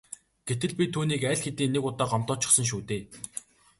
Гэтэл би түүнийг аль хэдийн нэг удаа гомдоочихсон шүү дээ.